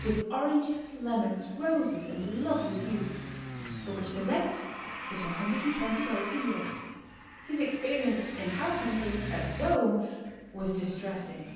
151 with oranges, lemons, roses and lovely views, for which the rent was $120 a year. His experience in house hunting at Rome was distressing.